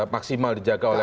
maksimal dijaga oleh